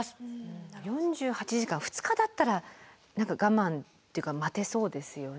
４８時間２日だったら我慢というか待てそうですよね。